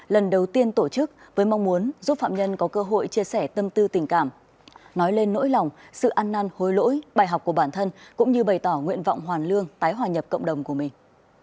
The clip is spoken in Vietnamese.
lần đầu tiên tổ chức với mong muốn giúp phạm nhân có cơ hội chia sẻ tâm tư tình cảm nói lên nỗi lòng sự ăn năn hối lỗi bài học của bản thân cũng như bày tỏ nguyện vọng hoàn lương tái hòa nhập cộng đồng của mình